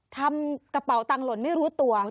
ทำกระเป๋าตังหล่นไม่รู้ตัว